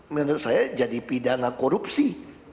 menurut saya jadi pidana korupsi